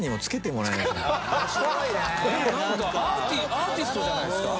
「アーティストじゃないですか」